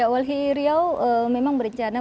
walhi riau memang berencana